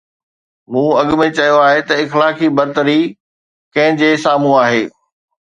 مون اڳ ۾ چيو آهي ته اخلاقي برتري ڪنهن جي سامهون آهي.